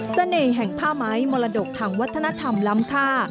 เสน่ห์แห่งผ้าไม้มรดกทางวัฒนธรรมล้ำค่า